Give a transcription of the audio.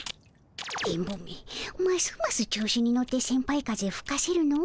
電ボめますます調子に乗ってセンパイ風吹かせるの。